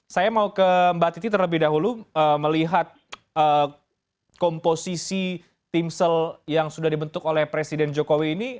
saya mau ke mbak titi terlebih dahulu melihat komposisi timsel yang sudah dibentuk oleh presiden jokowi ini